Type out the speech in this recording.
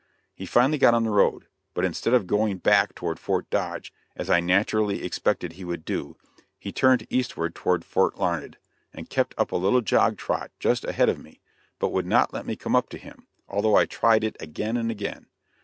He finally got on the road, but instead of going back toward Fort Dodge, as I naturally expected he would do, he turned eastward toward Fort Larned, and kept up a little jog trot just ahead of me, but would not let me come up to him, although I tried it again and again.